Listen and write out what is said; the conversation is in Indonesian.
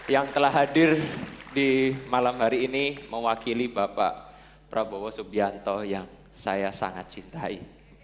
yang telah hadir di malam hari ini mewakili bapak prabowo subianto yang saya sangat cintai